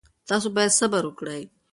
تاسو باید صبر وکړئ.